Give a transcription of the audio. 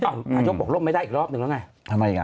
อ่ะอายุบบอกล้มไม่ได้อีกรอบหนึ่งแล้วไงทำไมอีกอะ